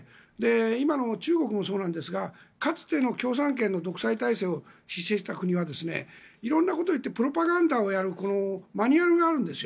今の中国もそうなんですがかつての共産圏の独裁体制を敷いていた国は色んなことを言ってプロパガンダをやるマニュアルがあるんです。